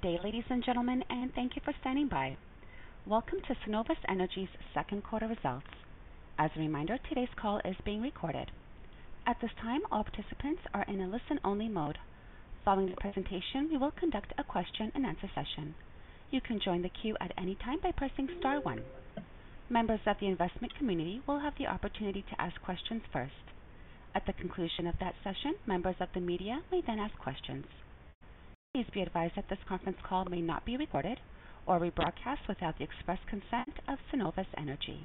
Good day, ladies and gentlemen, and thank you for standing by. Welcome to Cenovus Energy's second quarter results. As a reminder, today's call is being recorded. At this time, all participants are in a listen-only mode. Following the presentation, we will conduct a question-and-answer session. You can join the queue at any time by pressing star one. Members of the investment community will have the opportunity to ask questions first. At the conclusion of that session, members of the media may then ask questions. Please be advised that this conference call may not be recorded or rebroadcast without the express consent of Cenovus Energy.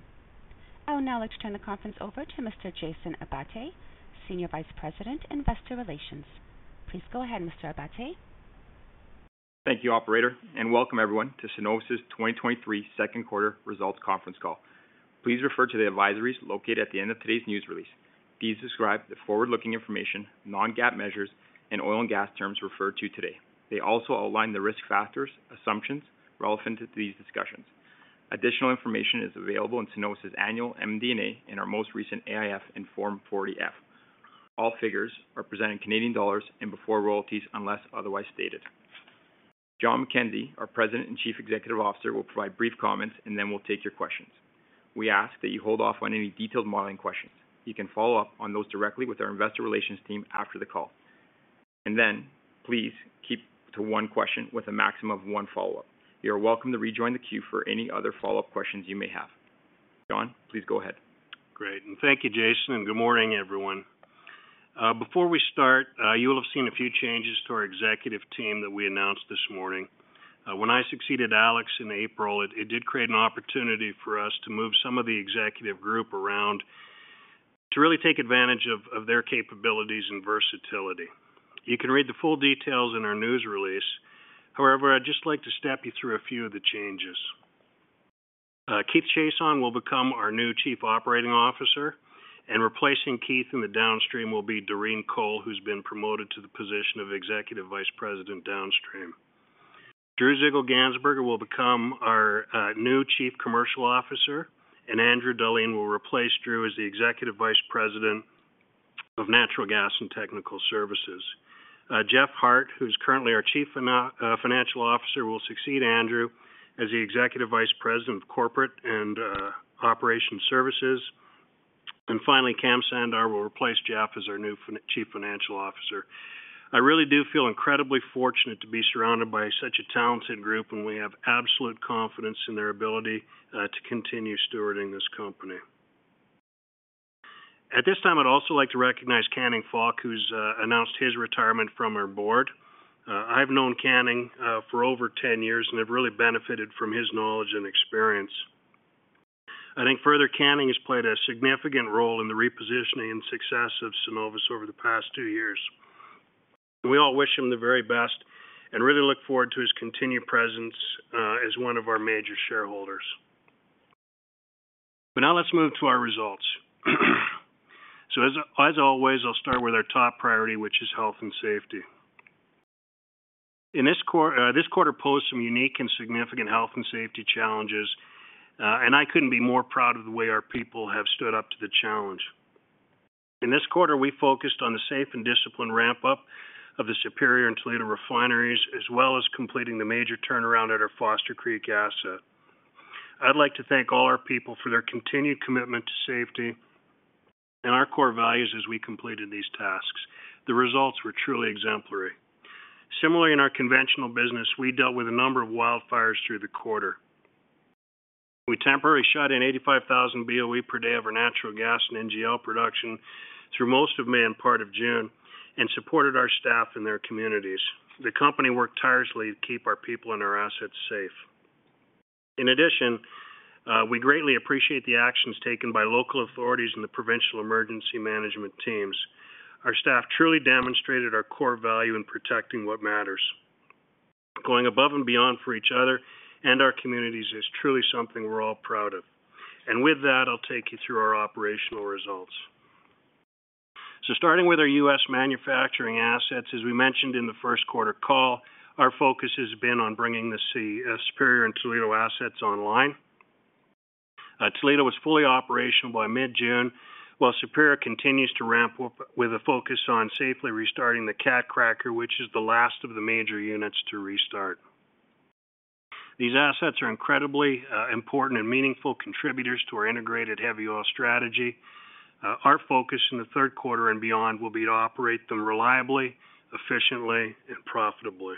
I would now like to turn the conference over to Mr. Jason Abbate, Senior Vice President, Investor Relations. Please go ahead, Mr. Abbate. Thank you, operator. Welcome everyone to Cenovus's 2023 second quarter results conference call. Please refer to the advisories located at the end of today's news release. These describe the forward-looking information, non-GAAP measures, and oil and gas terms referred to today. They also outline the risk factors, assumptions relevant to these discussions. Additional information is available in Cenovus's annual MD&A in our most recent AIF and Form 40-F. All figures are presented in Canadian dollars and before royalties unless otherwise stated. Jon McKenzie, our President and Chief Executive Officer, will provide brief comments. Then we'll take your questions. We ask that you hold off on any detailed modeling questions. You can follow up on those directly with our investor relations team after the call. Then please keep to one question with a maximum of one follow-up. You are welcome to rejoin the queue for any other follow-up questions you may have. Jon, please go ahead. Great. Thank you, Jason, and good morning, everyone. Before we start, you will have seen a few changes to our executive team that we announced this morning. When I succeeded Alex in April, it did create an opportunity for us to move some of the executive group around to really take advantage of their capabilities and versatility. You can read the full details in our news release. I'd just like to step you through a few of the changes. Keith Chiasson will become our new Chief Operating Officer, and replacing Keith in the downstream will be Doreen Cole, who's been promoted to the position of Executive Vice President, Downstream. Drew Zieglgansberger will become our new Chief Commercial Officer, and Andrew Dahlin will replace Drew as the Executive Vice President of Natural Gas and Technical Services. Jeff Hart, who's currently our Chief Financial Officer, will succeed Andrew as the Executive Vice President of Corporate and Operational Services. Finally, Kam Sandhar will replace Jeff as our new Chief Financial Officer. I really do feel incredibly fortunate to be surrounded by such a talented group, and we have absolute confidence in their ability to continue stewarding this company. At this time, I'd also like to recognize Canning Fok, who's announced his retirement from our board. I've known Canning for over 10 years and have really benefited from his knowledge and experience. I think further, Canning has played a significant role in the repositioning and success of Cenovus over the past two years. We all wish him the very best and really look forward to his continued presence as one of our major shareholders. Now let's move to our results. As always, I'll start with our top priority, which is health and safety. This quarter posed some unique and significant health and safety challenges, and I couldn't be more proud of the way our people have stood up to the challenge. In this quarter, we focused on the safe and disciplined ramp-up of the Superior and Toledo refineries, as well as completing the major turnaround at our Foster Creek asset. I'd like to thank all our people for their continued commitment to safety and our core values as we completed these tasks. The results were truly exemplary. Similarly, in our conventional business, we dealt with a number of wildfires through the quarter. We temporarily shut in 85,000 BOE per day of our natural gas and NGL production through most of May and part of June, supported our staff in their communities. The company worked tirelessly to keep our people and our assets safe. In addition, we greatly appreciate the actions taken by local authorities and the provincial emergency management teams. Our staff truly demonstrated our core value in protecting what matters. Going above and beyond for each other and our communities is truly something we're all proud of. With that, I'll take you through our operational results. Starting with our U.S. manufacturing assets, as we mentioned in the first quarter call, our focus has been on bringing the Superior and Toledo assets online. Toledo was fully operational by mid-June, while Superior continues to ramp up with a focus on safely restarting the cat cracker, which is the last of the major units to restart. These assets are incredibly important and meaningful contributors to our integrated heavy oil strategy. Our focus in the third quarter and beyond will be to operate them reliably, efficiently, and profitably.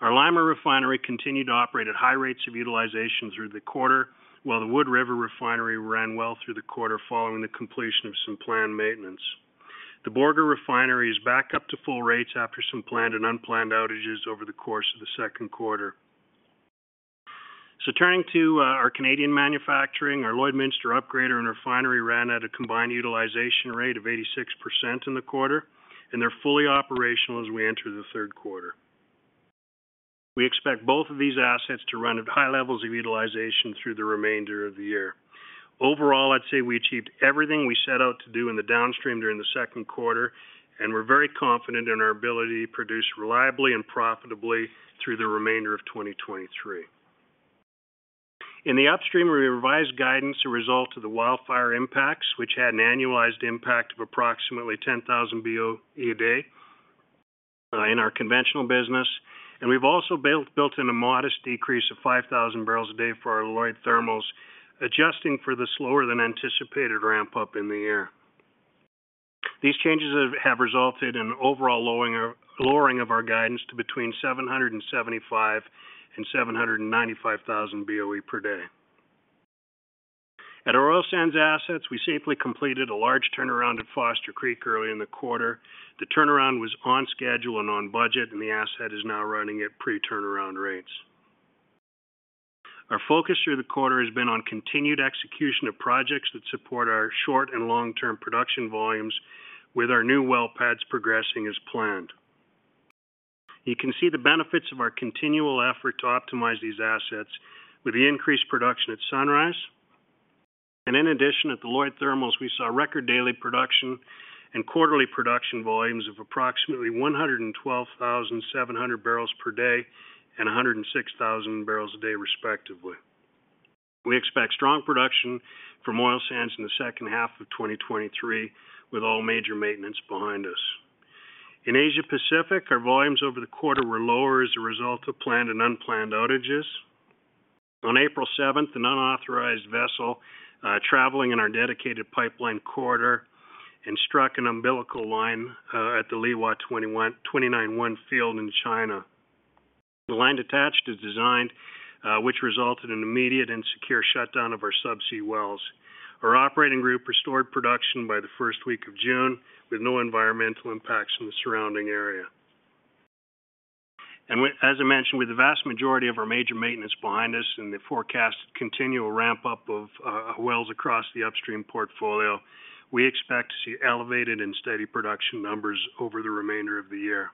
Our Lima Refinery continued to operate at high rates of utilization through the quarter, while the Wood River Refinery ran well through the quarter following the completion of some planned maintenance. The Borger Refinery is back up to full rates after some planned and unplanned outages over the course of the second quarter. Turning to our Canadian manufacturing, our Lloydminster Upgrader and Refinery ran at a combined utilization rate of 86% in the quarter, and they're fully operational as we enter the third quarter. We expect both of these assets to run at high levels of utilization through the remainder of the year. Overall, I'd say we achieved everything we set out to do in the downstream during the second quarter, and we're very confident in our ability to produce reliably and profitably through the remainder of 2023. In the upstream, we revised guidance a result of the wildfire impacts, which had an annualized impact of approximately 10,000 BOE a day in our conventional business. We've also built in a modest decrease of 5,000 barrels a day for our Lloydminster Thermal, adjusting for the slower than anticipated ramp up in the year. These changes have resulted in overall lowering of our guidance to between 775,000 and 795,000 BOE per day. At our oil sands assets, we safely completed a large turnaround at Foster Creek early in the quarter. The turnaround was on schedule and on budget, and the asset is now running at pre-turnaround rates. Our focus through the quarter has been on continued execution of projects that support our short and long-term production volumes, with our new well pads progressing as planned. You can see the benefits of our continual effort to optimize these assets with the increased production at Sunrise. In addition, at the Lloydminster Thermal, we saw record daily production and quarterly production volumes of approximately 112,700 barrels per day and 106,000 barrels a day, respectively. We expect strong production from oil sands in the second half of 2023, with all major maintenance behind us. In Asia Pacific, our volumes over the quarter were lower as a result of planned and unplanned outages. On April seventh, an unauthorized vessel traveling in our dedicated pipeline corridor and struck an umbilical line at the Liuhua 21-29-1 field in China. The line detached is designed, which resulted in immediate and secure shutdown of our subsea wells. Our operating group restored production by the first week of June, with no environmental impacts in the surrounding area. We, as I mentioned, with the vast majority of our major maintenance behind us and the forecast continual ramp up of wells across the upstream portfolio, we expect to see elevated and steady production numbers over the remainder of the year.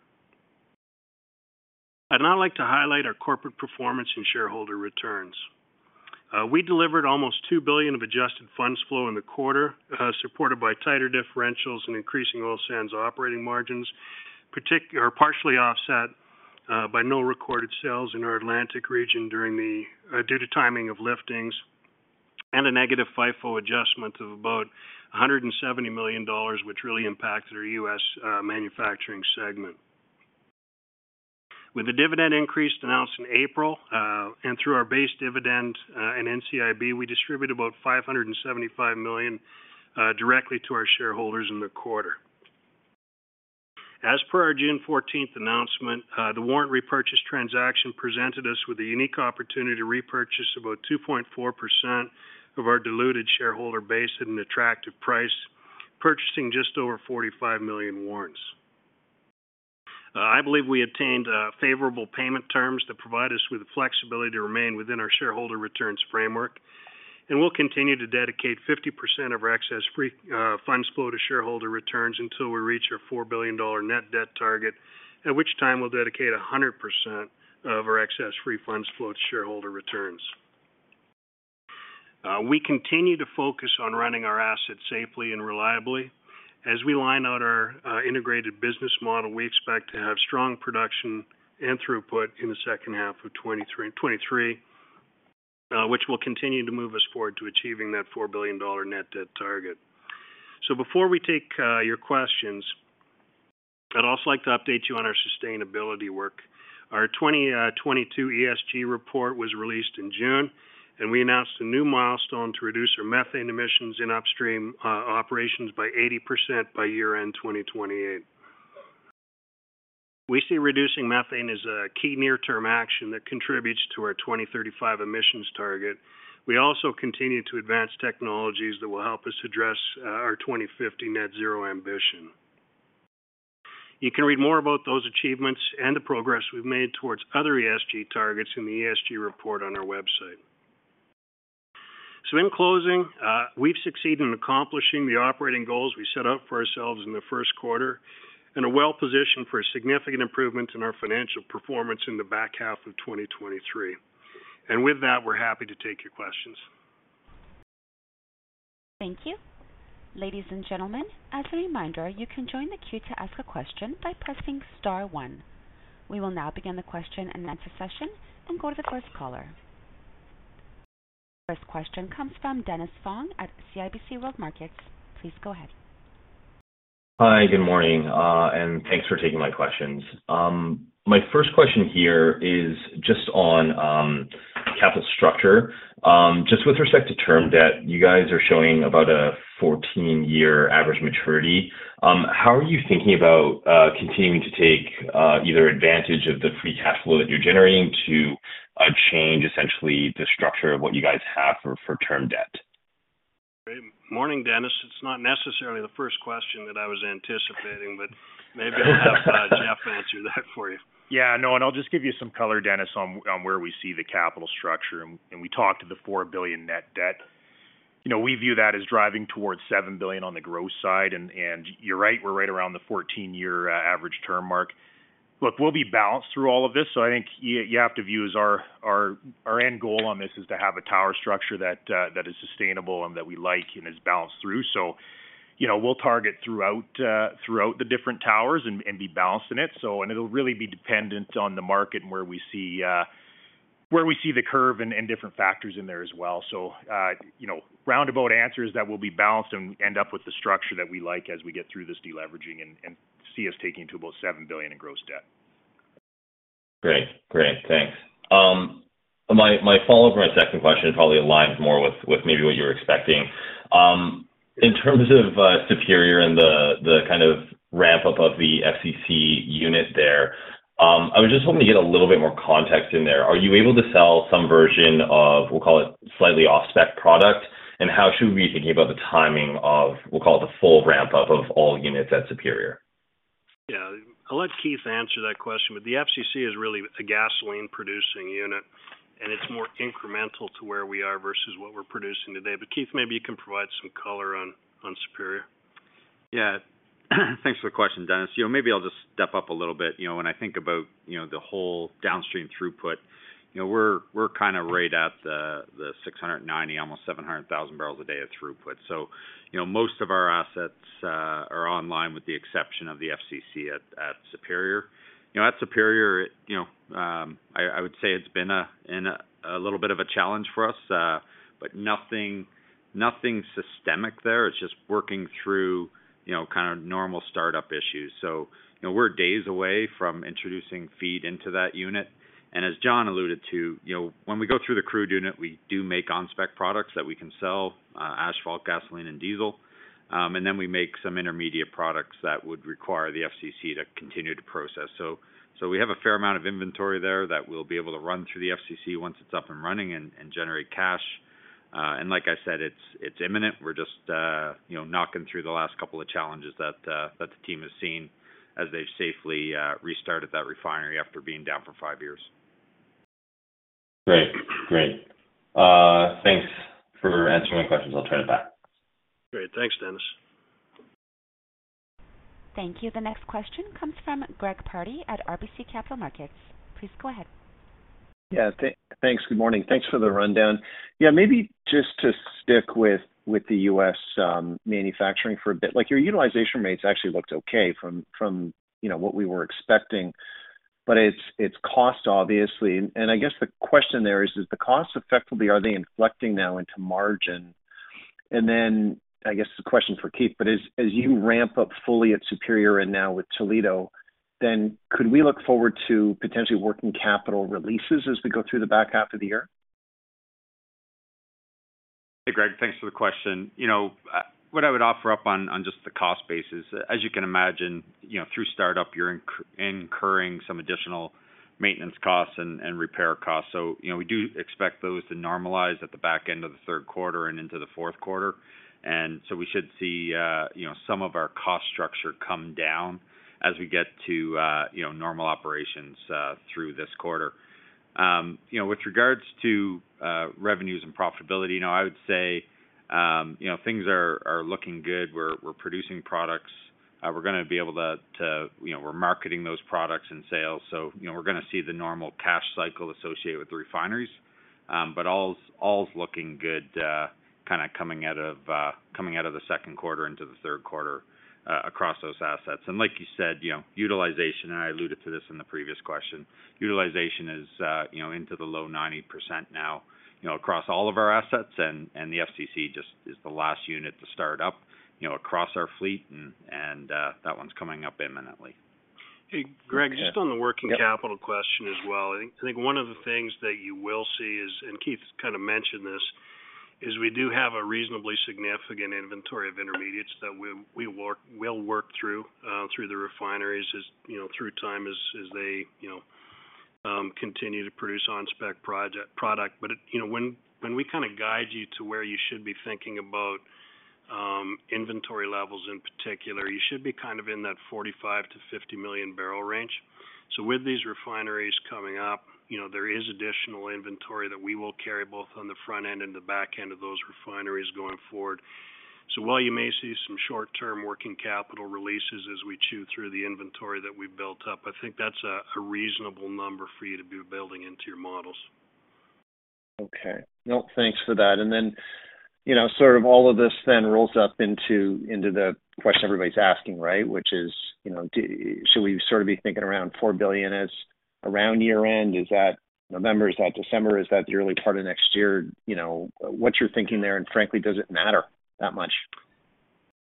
I'd now like to highlight our corporate performance and shareholder returns. We delivered almost 2 billion of Adjusted Funds Flow in the quarter, supported by tighter differentials and increasing oil sands operating margins, partially offset by no recorded sales in our Atlantic region due to timing of liftings and a negative FIFO adjustment of about 170 million dollars, which really impacted our U.S. manufacturing segment. With the dividend increase announced in April, and through our base dividend, and NCIB, we distributed about 575 million directly to our shareholders in the quarter. As per our June 14th announcement, the warrant repurchase transaction presented us with a unique opportunity to repurchase about 2.4% of our diluted shareholder base at an attractive price, purchasing just over 45 million warrants. I believe we obtained favorable payment terms that provide us with the flexibility to remain within our shareholder returns framework, and we'll continue to dedicate 50% of our Excess Free Funds Flow to shareholder returns until we reach our 4 billion dollar Net Debt target, at which time we'll dedicate 100% of our Excess Free Funds Flow to shareholder returns. We continue to focus on running our assets safely and reliably. As we line out our integrated business model, we expect to have strong production and throughput in the second half of 2023, which will continue to move us forward to achieving that 4 billion dollar Net Debt target. Before we take your questions, I'd also like to update you on our sustainability work. Our 2022 ESG report was released in June, and we announced a new milestone to reduce our methane emissions in upstream operations by 80% by year-end, 2028. We see reducing methane as a key near-term action that contributes to our 2035 emissions target. We also continue to advance technologies that will help us address our 2050 net zero ambition. You can read more about those achievements and the progress we've made towards other ESG targets in the ESG report on our website. In closing, we've succeeded in accomplishing the operating goals we set out for ourselves in the first quarter and are well-positioned for a significant improvement in our financial performance in the back half of 2023. With that, we're happy to take your questions. Thank you. Ladies and gentlemen, as a reminder, you can join the queue to ask a question by pressing star one. We will now begin the question-and-answer session. Go to the first caller. First question comes from Dennis Fong at CIBC World Markets. Please go ahead. Hi, good morning, thanks for taking my questions. My first question here is just on capital structure. Just with respect to term debt, you guys are showing about a 14-year average maturity. How are you thinking about continuing to take either advantage of the free cash flow that you're generating to change essentially the structure of what you guys have for, for term debt? Great. Morning, Dennis. It's not necessarily the first question that I was anticipating, but maybe I'll have Jeff answer that for you. Yeah, no, I'll just give you some color, Dennis Fong, on where we see the capital structure, and we talked to the 4 billion Net Debt. You know, we view that as driving towards 7 billion on the growth side, and you're right, we're right around the 14-year average term mark. Look, we'll be balanced through all of this, I think you have to view as our end goal on this is to have a tower structure that is sustainable and that we like and is balanced through. You know, we'll target throughout the different towers and be balanced in it. It'll really be dependent on the market and where we see the curve and different factors in there as well. You know, roundabout answers that will be balanced and end up with the structure that we like as we get through this deleveraging and see us taking to about $7 billion in gross debt. Great. Great, thanks. My follow-up on my second question probably aligns more with maybe what you're expecting. In terms of Superior and the kind of ramp-up of the FCC unit there, I was just hoping to get a little bit more context in there. Are you able to sell some version of, we'll call it, slightly off-spec product? How should we be thinking about the timing of, we'll call it, the full ramp-up of all units at Superior? Yeah. I'll let Keith answer that question, the FCC is really a gasoline-producing unit, and it's more incremental to where we are versus what we're producing today. Keith, maybe you can provide some color on Superior. Yeah. Thanks for the question, Dennis. You know, maybe I'll just step up a little bit. You know, when I think about, you know, the whole downstream throughput, you know, we're kind of right at the 690, almost 700,000 barrels a day of throughput. You know, most of our assets are online, with the exception of the FCC at Superior. You know, at Superior, it, you know, I would say it's been a little bit of a challenge for us, but nothing systemic there. It's just working through, you know, kind of normal start-up issues. You know, we're days away from introducing feed into that unit. As Jon alluded to, you know, when we go through the crude unit, we do make on-spec products that we can sell, asphalt, gasoline, and diesel. Then we make some intermediate products that would require the FCC to continue to process. We have a fair amount of inventory there that we'll be able to run through the FCC once it's up and running and generate cash. And like I said, it's imminent. We're just, you know, knocking through the last couple of challenges that the team has seen as they've safely restarted that refinery after being down for five years. Great. Great. Thanks for answering my questions. I'll turn it back. Great. Thanks, Dennis. Thank you. The next question comes from Greg Pardy at RBC Capital Markets. Please go ahead. Thanks. Good morning. Thanks for the rundown. Maybe just to stick with the U.S. manufacturing for a bit. Like, your utilization rates actually looked okay from, you know, what we were expecting, it's cost, obviously. I guess the question there is the cost effectively, are they inflecting now into margin? I guess the question for Keith, as you ramp up fully at Superior and now with Toledo, could we look forward to potentially working capital releases as we go through the back half of the year? Greg, thanks for the question. You know, what I would offer up on, on just the cost basis, as you can imagine, you're incurring some additional maintenance costs and, and repair costs. You know, we do expect those to normalize at the back end of the third quarter and into the fourth quarter. We should see, you know, some of our cost structure come down as we get to, you know, normal operations, through this quarter. You know, with regards to revenues and profitability, you know, I would say, you know, things are, are looking good. We're producing products. We're gonna be able to, you know, we're marketing those products and sales. You know, we're gonna see the normal cash cycle associated with the refineries. All's looking good, kinda coming out of, coming out of the second quarter into the third quarter, across those assets. Like you said, you know, utilization, and I alluded to this in the previous question, utilization is, you know, into the low 90% now, you know, across all of our assets, and the FCC just is the last unit to start up, you know, across our fleet, and that one's coming up imminently. Hey, Greg, just on the working capital question as well. I think one of the things that you will see is, and Keith kind of mentioned this, is we do have a reasonably significant inventory of intermediates that we'll work through through the refineries as, you know, through time, as they, you know, continue to produce on-spec product. But it, you know, when we kind of guide you to where you should be thinking about inventory levels in particular, you should be kind of in that 45-50 million barrel range. With these refineries coming up, you know, there is additional inventory that we will carry both on the front end and the back end of those refineries going forward. While you may see some short-term working capital releases as we chew through the inventory that we've built up, I think that's a reasonable number for you to be building into your models. Okay. Well, thanks for that. Then, you know, sort of all of this then rolls up into the question everybody's asking, right? Which is, you know, should we sort of be thinking around 4 billion as around year-end? Is that November, is that December? Is that the early part of next year? You know, what's your thinking there, and frankly, does it matter that much?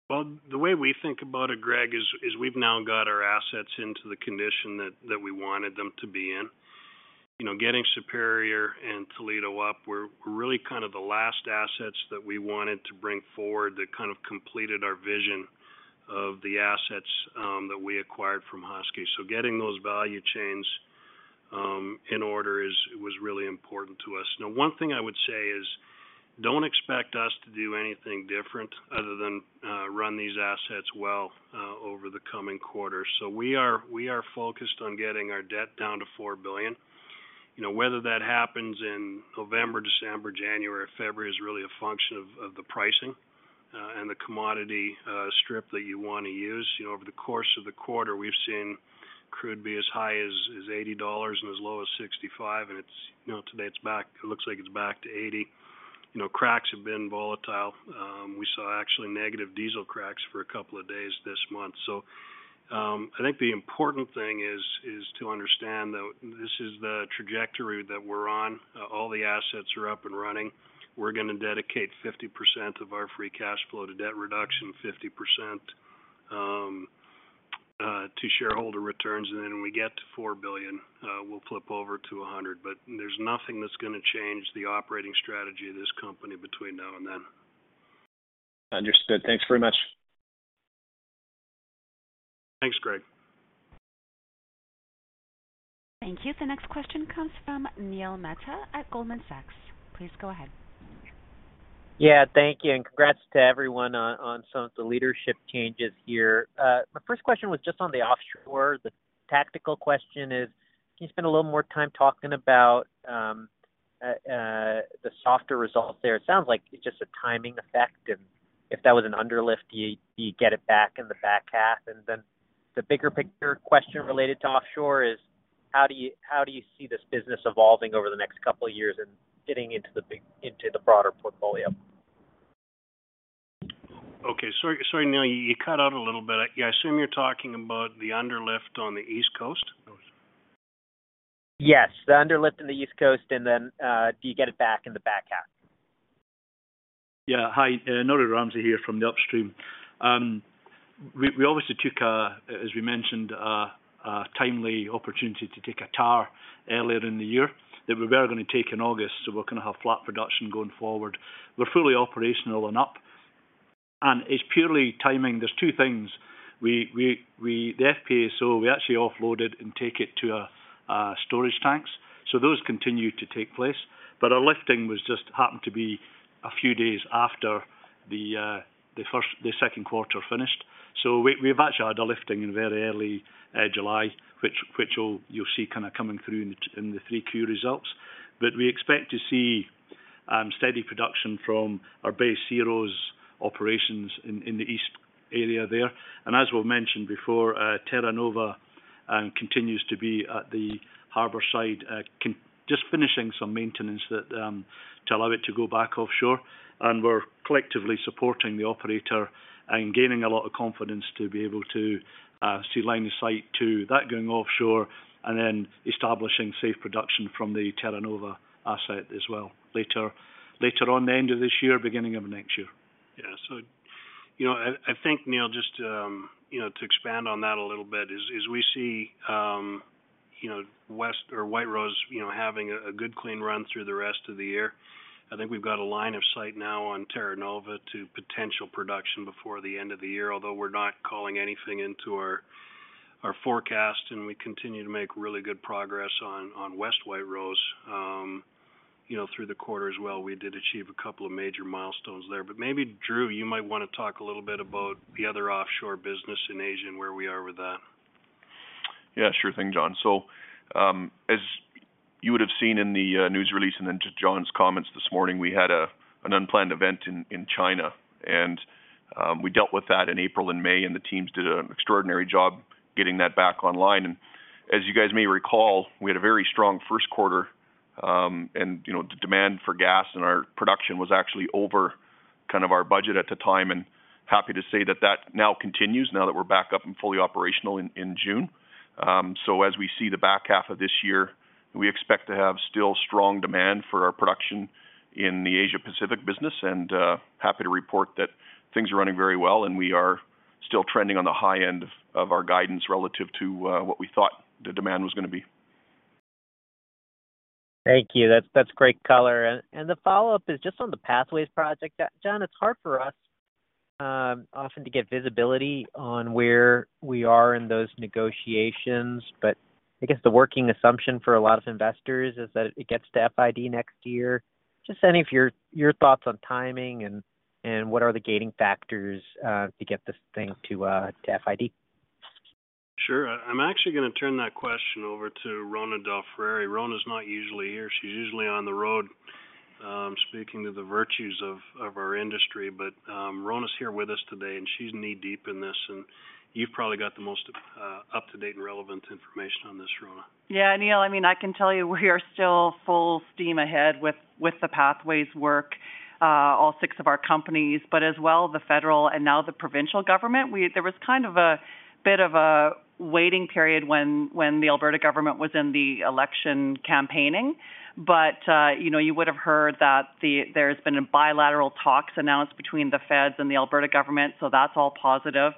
The way we think about it, Greg, is we've now got our assets into the condition that we wanted them to be in. You know, getting Superior and Toledo up were really kind of the last assets that we wanted to bring forward that kind of completed our vision of the assets that we acquired from Husky Energy. Getting those value chains in order was really important to us. One thing I would say is, don't expect us to do anything different other than run these assets well over the coming quarters. We are focused on getting our debt down to $4 billion. You know, whether that happens in November, December, January, or February is really a function of the pricing and the commodity strip that you want to use. You know, over the course of the quarter, we've seen, could be as high as 80 dollars and as low as 65. It's, you know, today it's back, it looks like it's back to 80. You know, cracks have been volatile. We saw actually negative diesel cracks for a couple of days this month. I think the important thing is to understand that this is the trajectory that we're on. All the assets are up and running. We're gonna dedicate 50% of our free cash flow to debt reduction, 50% to shareholder returns. When we get to 4 billion, we'll flip over to 100%. There's nothing that's gonna change the operating strategy of this company between now and then. Understood. Thanks very much. Thanks, Greg. Thank you. The next question comes from Neil Mehta at Goldman Sachs. Please go ahead. Thank you, and congrats to everyone on some of the leadership changes here. My first question was just on the offshore. The tactical question is: Can you spend a little more time talking about the softer results there? It sounds like it's just a timing effect, and if that was an underlift, do you get it back in the back half? The bigger picture question related to offshore is: How do you see this business evolving over the next couple of years and fitting into the broader portfolio? Okay. Sorry, sorry, Neil, you cut out a little bit. I assume you're talking about the underlift on the East Coast? Yes, the underlift on the East Coast, and then, do you get it back in the back half? Yeah. Hi, Norrie Ramsay here from the upstream. We obviously took a, as we mentioned, a timely opportunity to take a tar earlier in the year that we were gonna take in August, we're gonna have flat production going forward. We're fully operational and up, it's purely timing. There's two things. We the FPSO, we actually offload it and take it to storage tanks. Those continue to take place, our lifting was just happened to be a few days after the second quarter finished. We've actually had a lifting in very early July, which you'll see kinda coming through in the, in the Q3 results. We expect to see steady production from our base SeaRose operations in the east area there. As we've mentioned before, Terra Nova continues to be at the harbor side, just finishing some maintenance that to allow it to go back offshore. We're collectively supporting the operator and gaining a lot of confidence to be able to see line of sight to that going offshore, and then establishing safe production from the Terra Nova asset as well, later on the end of this year, beginning of next year. Yeah. I think, Neil Mehta, just, you know, to expand on that a little bit is we see, you know, White Rose, you know, having a good clean run through the rest of the year. I think we've got a line of sight now on Terra Nova to potential production before the end of the year, although we're not calling anything into our forecast, and we continue to make really good progress on West White Rose. You know, through the quarter as well, we did achieve a couple of major milestones there. Maybe, Drew Ziglansberger, you might wanna talk a little bit about the other offshore business in Asia, and where we are with that. Yeah, sure thing, Jon. As you would have seen in the news release, and then to Jon's comments this morning, we had an unplanned event in China, we dealt with that in April and May, and the teams did an extraordinary job getting that back online. As you guys may recall, we had a very strong first quarter, and, you know, the demand for gas and our production was actually over kind of our budget at the time, and happy to say that that now continues now that we're back up and fully operational in June. As we see the back half of this year, we expect to have still strong demand for our production in the Asia Pacific business, and happy to report that things are running very well, and we are still trending on the high end of our guidance relative to what we thought the demand was going to be. Thank you. That's great color. The follow-up is just on the Pathways project. Jon, it's hard for us often to get visibility on where we are in those negotiations, but I guess the working assumption for a lot of investors is that it gets to FID next year. Just any of your thoughts on timing and what are the gating factors to get this thing to FID? Sure. I'm actually gonna turn that question over to Rhona DelFrari. Rhona's not usually here. She's usually on the road, speaking to the virtues of, of our industry. Rhona's here with us today, and she's knee-deep in this, and you've probably got the most, up-to-date and relevant information on this, Rhona. Yeah, Neil, I mean, I can tell you we are still full steam ahead with the Pathways work, all six of our companies, but as well, the federal and now the provincial government. There was kind of a bit of a waiting period when the Alberta government was in the election campaigning. you know, you would have heard that there's been a bilateral talks announced between the feds and the Alberta government, so that's all positive.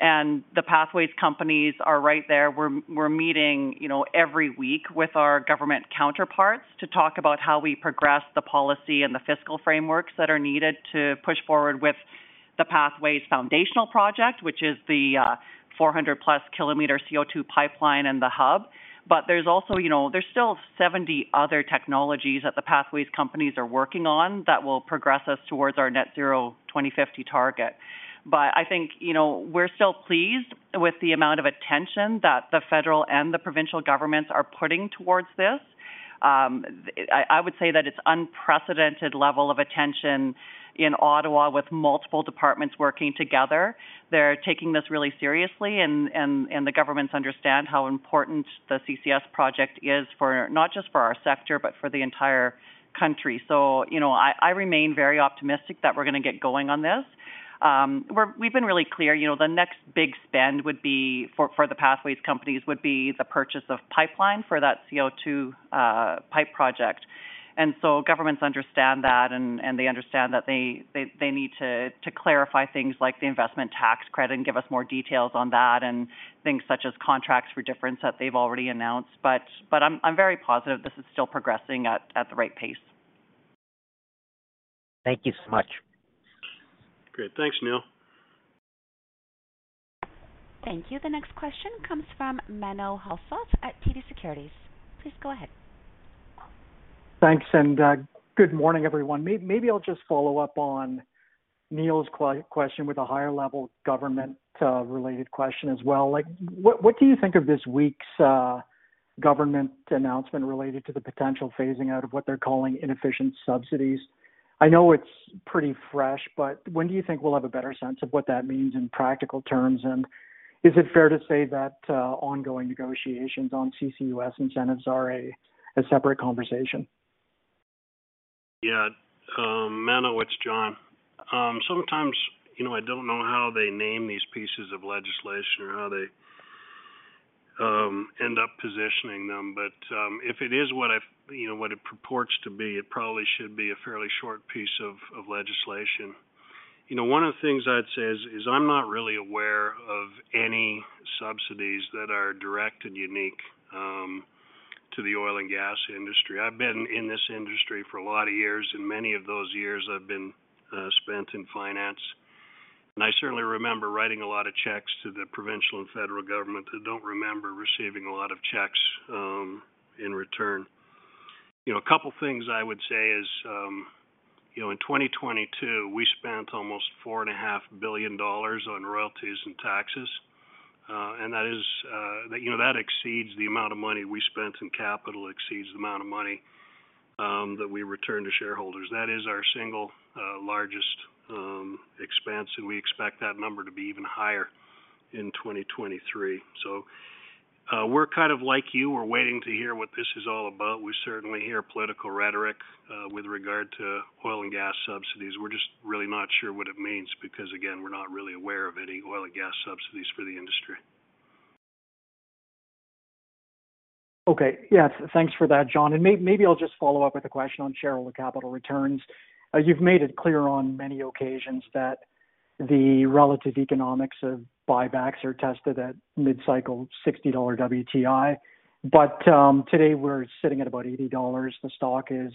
The Pathways companies are right there. We're meeting, you know, every week with our government counterparts to talk about how we progress the policy and the fiscal frameworks that are needed to push forward with the Pathways foundational project, which is the 400 plus kilometer CO2 pipeline and the hub. There's also, you know, there's still 70 other technologies that the Pathways companies are working on that will progress us towards our net zero 2050 target. I think, you know, we're still pleased with the amount of attention that the federal and the provincial governments are putting towards this. I would say that it's unprecedented level of attention in Ottawa with multiple departments working together. They're taking this really seriously and the governments understand how important the CCS project is for, not just for our sector, but for the entire country. You know, I remain very optimistic that we're gonna get going on this. We've been really clear, you know, the next big spend would be for the Pathways companies would be the purchase of pipeline for that CO2 pipe project. Governments understand that and they understand that they need to clarify things like the Investment Tax Credit and give us more details on that, and things such as Contracts for Difference that they've already announced. I'm very positive this is still progressing at the right pace. Thank you so much. Great. Thanks, Neil. Thank you. The next question comes from Menno Hulshof at TD Securities. Please go ahead. Thanks. Good morning, everyone. Maybe I'll just follow up on Neil's question with a higher level government related question as well. Like, what do you think of this week's government announcement related to the potential phasing out of what they're calling inefficient subsidies? I know it's pretty fresh. When do you think we'll have a better sense of what that means in practical terms? Is it fair to say that ongoing negotiations on CCUS incentives are a separate conversation? Yeah. Menno, it's Jon. Sometimes, you know, I don't know how they name these pieces of legislation or how they end up positioning them. If it is what you know, what it purports to be, it probably should be a fairly short piece of legislation. You know, one of the things I'd say is I'm not really aware of any subsidies that are direct and unique to the oil and gas industry. I've been in this industry for a lot of years, and many of those years I've been spent in finance. I certainly remember writing a lot of checks to the provincial and federal government, I don't remember receiving a lot of checks in return. You know, a couple of things I would say is, in 2022, we spent almost 4.5 billion dollars on royalties and taxes. That exceeds the amount of money we spent in capital, exceeds the amount of money that we returned to shareholders. That is our single largest expense, and we expect that number to be even higher in 2023. We're kind of like you. We're waiting to hear what this is all about. We certainly hear political rhetoric with regard to oil and gas subsidies. We're just really not sure what it means because, again, we're not really aware of any oil and gas subsidies for the industry. Okay. Yes. Thanks for that, Jon. Maybe I'll just follow up with a question on shareholder capital returns. You've made it clear on many occasions that the relative economics of buybacks are tested at mid-cycle CAD 60 WTI. Today we're sitting at about 80 dollars. The stock is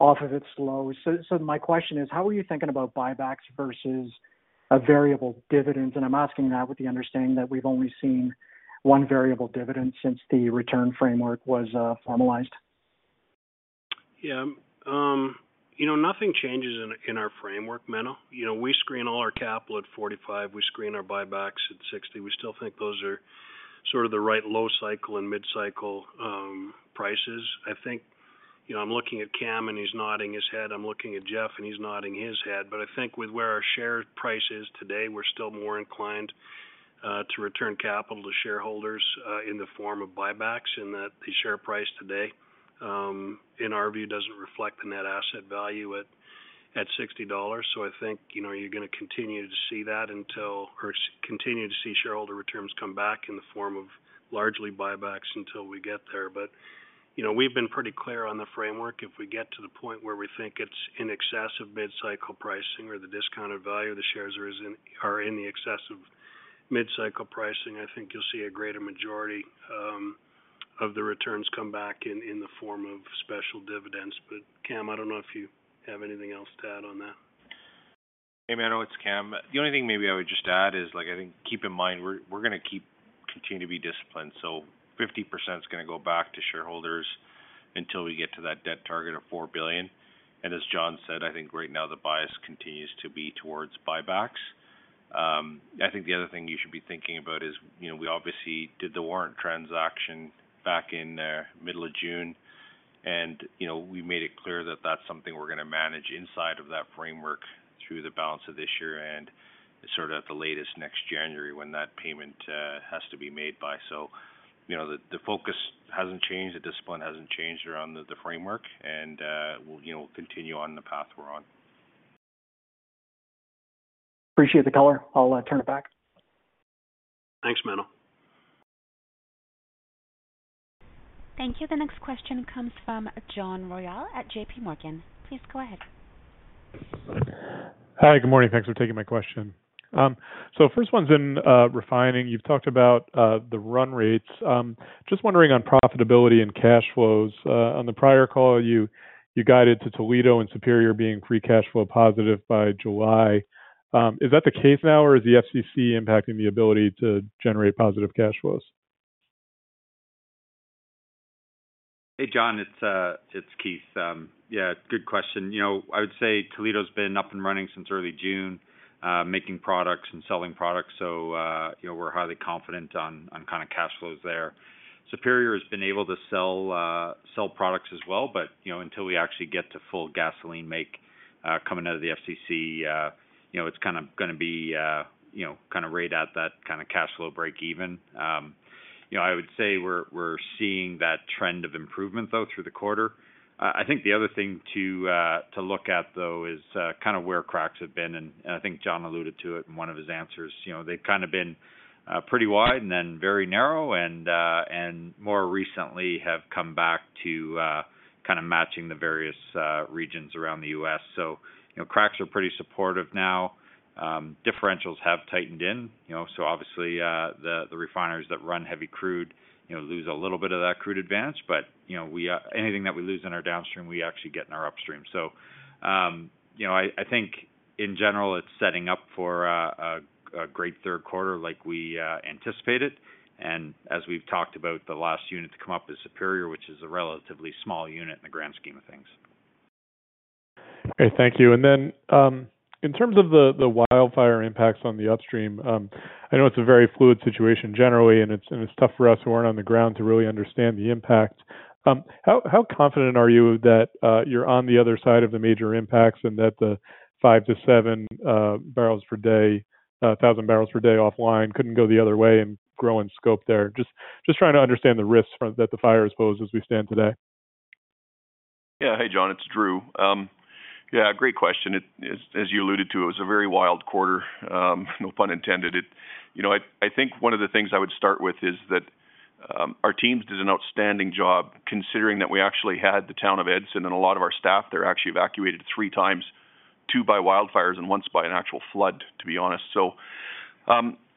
off of its low. My question is, how are you thinking about buybacks versus a variable dividend? I'm asking that with the understanding that we've only seen one variable dividend since the return framework was formalized. Yeah. You know, nothing changes in, in our framework, Mano. You know, we screen all our capital at 45, we screen our buybacks at 60. We still think those are sort of the right low cycle and mid-cycle prices. I think, you know, I'm looking at Kam and he's nodding his head. I'm looking at Jeff and he's nodding his head. I think with where our share price is today, we're still more inclined to return capital to shareholders in the form of buybacks, and that the share price today, in our view, doesn't reflect the net asset value at, at 60 dollars. I think, you know, you're gonna continue to see that until or continue to see shareholder returns come back in the form of largely buybacks until we get there. You know, we've been pretty clear on the framework. If we get to the point where we think it's in excess of mid-cycle pricing or the discounted value of the shares are in the excess of mid-cycle pricing, I think you'll see a greater majority of the returns come back in, in the form of special dividends. Kam, I don't know if you have anything else to add on that. Hey, Menno, it's Kam. The only thing maybe I would just add is, I think keep in mind, we're gonna keep continuing to be disciplined. 50% is gonna go back to shareholders until we get to that debt target of 4 billion. As Jon said, I think right now the bias continues to be towards buybacks. I think the other thing you should be thinking about is, you know, we obviously did the warrant transaction back in middle of June, and, you know, we made it clear that that's something we're gonna manage inside of that framework through the balance of this year and sort of at the latest, next January, when that payment has to be made by. You know, the focus hasn't changed, the discipline hasn't changed around the framework, and, we'll, you know, continue on the path we're on. Appreciate the color. I'll turn it back. Thanks, Menno. Thank you. The next question comes from John Royall at J.P. Morgan. Please go ahead. Hi, good morning. Thanks for taking my question. First one's in refining. You've talked about the run rates. Just wondering on profitability and cash flows. On the prior call, you guided to Toledo and Superior being free cash flow positive by July. Is that the case now, or is the FCC impacting the ability to generate positive cash flows? Hey, John, it's Keith. Yeah, good question. You know, I would say Toledo's been up and running since early June, making products and selling products. You know, we're highly confident on, on kind of cash flows there. Superior has been able to sell products as well, you know, until we actually get to full gasoline make coming out of the FCC, you know, it's kinda gonna be, you know, kind of right at that kind of cash flow break-even. You know, I would say we're, we're seeing that trend of improvement, though, through the quarter. I think the other thing to look at, though, is kind of where cracks have been, and I think Jon alluded to it in one of his answers. You know, they've kind of been pretty wide and then very narrow, and more recently have come back to kind of matching the various regions around the U.S. You know, cracks are pretty supportive now. Differentials have tightened in, you know, obviously, the refineries that run heavy crude, you know, lose a little bit of that crude advance. You know, we, anything that we lose in our downstream, we actually get in our upstream. You know, I think in general, it's setting up for a great third quarter like we anticipated. As we've talked about, the last unit to come up is Superior, which is a relatively small unit in the grand scheme of things. Okay, thank you. Then, in terms of the wildfire impacts on the upstream, I know it's a very fluid situation generally, and it's, and it's tough for us who aren't on the ground to really understand the impact. How confident are you that you're on the other side of the major impacts and that the 5-7 barrels per day thousand barrels per day offline couldn't go the other way and grow in scope there? Just trying to understand the risks that the fires pose as we stand today. Yeah. Hey, John, it's Drew. Yeah, great question. As you alluded to, it was a very wild quarter, no pun intended. You know, I think one of the things I would start with is that our teams did an outstanding job, considering that we actually had the town of Edson and a lot of our staff there actually evacuated three times, two by wildfires and once by an actual flood, to be honest.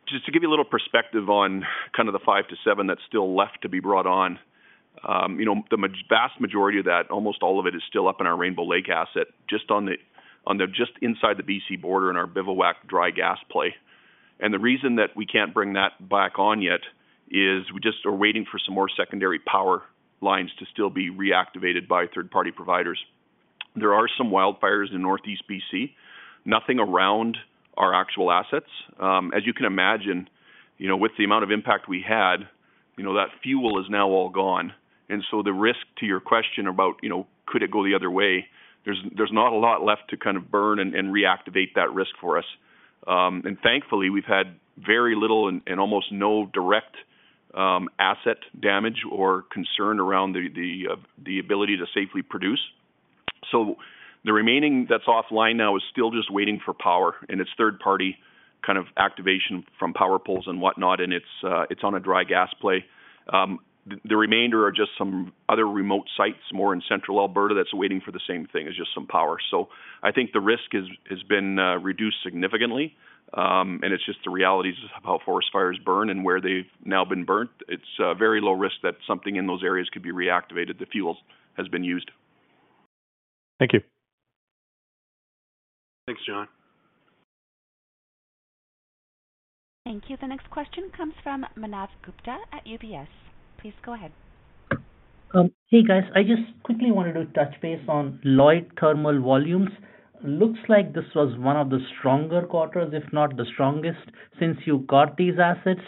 Just to give you a little perspective on kind of the 5-7 that's still left to be brought on, you know, the vast majority of that, almost all of it, is still up in our Rainbow Lake asset, just on the, just inside the BC border in our Bivouac dry gas play. The reason that we can't bring that back on yet is we just are waiting for some more secondary power lines to still be reactivated by third-party providers. There are some wildfires in Northeast BC, nothing around our actual assets. As you can imagine, you know, with the amount of impact we had, you know, that fuel is now all gone. The risk to your question about, you know, could it go the other way, there's not a lot left to kind of burn and reactivate that risk for us. Thankfully, we've had very little and almost no direct asset damage or concern around the, the ability to safely produce. The remaining that's offline now is still just waiting for power, and it's third-party kind of activation from power poles and whatnot, and it's on a dry gas play. The remainder are just some other remote sites, more in Central Alberta, that's waiting for the same thing, is just some power. I think the risk has been reduced significantly, and it's just the realities of how forest fires burn and where they've now been burnt. It's very low risk that something in those areas could be reactivated. The fuel has been used. Thank you. Thanks, John. Thank you. The next question comes from Manav Gupta at UBS. Please go ahead. Hey, guys. I just quickly wanted to touch base on Lloyd Thermal volumes. Looks like this was one of the stronger quarters, if not the strongest, since you got these assets.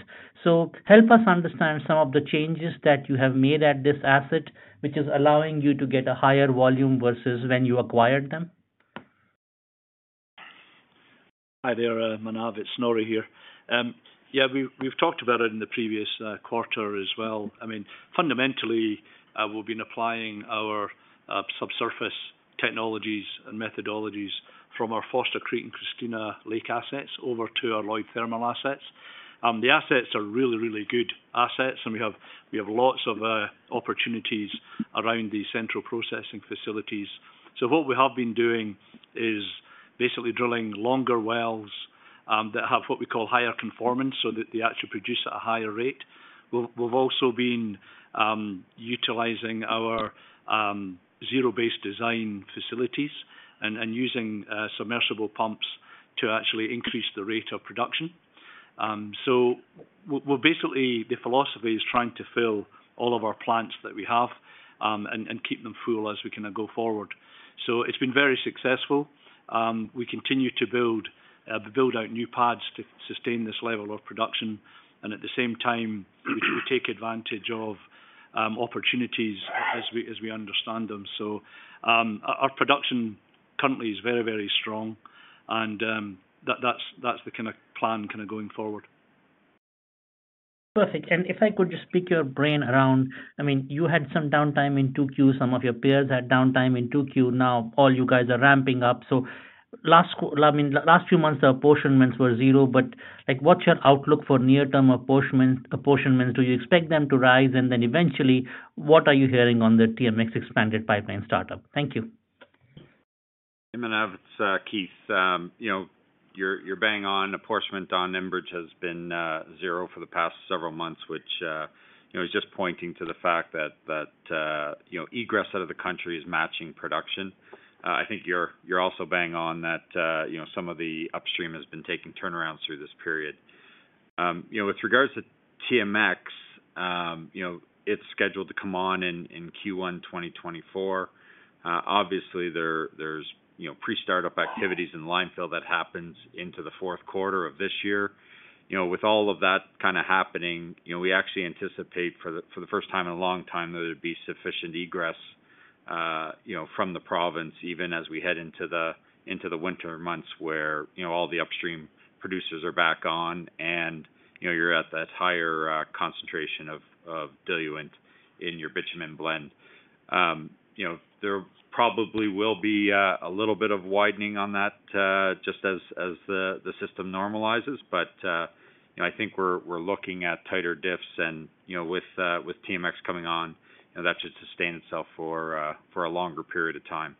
Help us understand some of the changes that you have made at this asset, which is allowing you to get a higher volume versus when you acquired them. Hi there, Manav, it's Norrie here. Yeah, we've talked about it in the previous quarter as well. I mean, fundamentally, we've been applying our subsurface technologies and methodologies from our Foster Creek and Christina Lake assets over to our Lloyd Thermal assets. The assets are really, really good assets, and we have lots of opportunities around the central processing facilities. What we have been doing is basically drilling longer wells that have what we call higher conformance, so that they actually produce at a higher rate. We've also been utilizing our zero-based design facilities and using submersible pumps to actually increase the rate of production. So well, basically, the philosophy is trying to fill all of our plants that we have, and keep them full as we kind of go forward. It's been very successful. We continue to build out new pads to sustain this level of production, and at the same time, we take advantage of opportunities as we understand them. Our production currently is very, very strong, and that's the kind of plan kind of going forward. Perfect. If I could just pick your brain around... I mean, you had some downtime in 2Q, some of your peers had downtime in 2Q. All you guys are ramping up. I mean, last few months, the apportionments were zero. Like, what's your outlook for near-term apportionments? Do you expect them to rise? Eventually, what are you hearing on the TMX expanded pipeline startup? Thank you. Hey, Manav, it's Keith. You know, you're bang on. Apportionment on Enbridge has been zero for the past several months, which, you know, is just pointing to the fact that, you know, egress out of the country is matching production. I think you're also bang on that, you know, some of the upstream has been taking turnarounds through this period. You know, with regards to TMX, you know, it's scheduled to come on in Q1, 2024. Obviously, there's, you know, pre-startup activities in line fill that happens into the fourth quarter of this year. With all of that kind of happening, you know, we actually anticipate for the first time in a long time, that there'd be sufficient egress, you know, from the province, even as we head into the winter months, where, you know, all the upstream producers are back on and, you know, you're at that higher concentration of diluent in your bitumen blend. You know, there probably will be a little bit of widening on that just as the system normalizes. You know, I think we're, we're looking at tighter diffs and, you know, with, with TMX coming on, you know, that should sustain itself for, for a longer period of time.